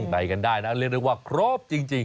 ไปกันได้นะเรียกได้ว่าครบจริง